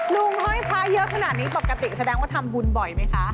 ห้อยพระเยอะขนาดนี้ปกติแสดงว่าทำบุญบ่อยไหมคะ